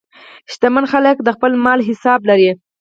شتمن خلک د خپل مال حساب لري.